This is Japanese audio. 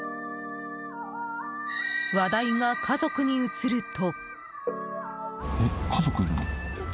話題が家族に移ると。